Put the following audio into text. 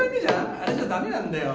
あれじゃダメなんだよ。